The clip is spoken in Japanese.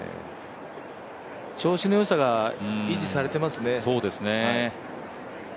調子の良さが維持されていますね。